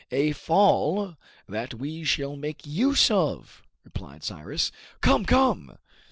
"A fall that we shall make use of!" replied Cyrus. "Come, come!"